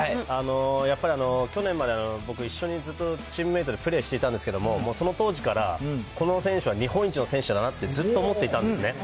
やっぱり去年まで僕一緒にずっとチームメートでプレーしてたんですけれども、その当時からこの選手は日本一の選手だなって、ずっと思っていたんですね。